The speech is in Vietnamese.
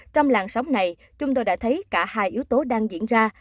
trong làng sóng này chúng tôi đã thấy cả hai yếu tố đang diễn ra